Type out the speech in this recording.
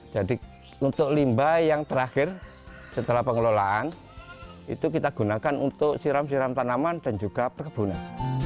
jadi untuk limbah yang terakhir setelah pengelolaan itu kita gunakan untuk siram siram tanaman dan juga perkebunan